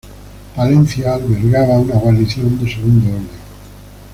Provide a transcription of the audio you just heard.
Palencia albergaba una guarnición de segundo orden.